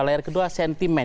layar kedua sentimen